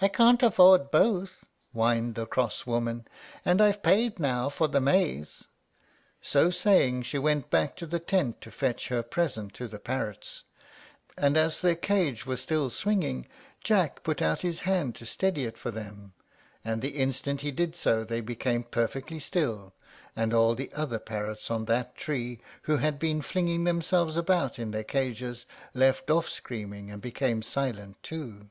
"I can't afford both," whined the cross woman, "and I've paid now for the maize." So saying, she went back to the tent to fetch her present to the parrots; and as their cage was still swinging Jack put out his hand to steady it for them, and the instant he did so they became perfectly silent, and all the other parrots on that tree, who had been flinging themselves about in their cages, left off screaming, and became silent too.